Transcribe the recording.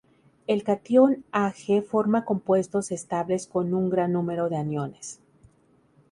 El catión Ag forma compuestos estables con un gran número de aniones.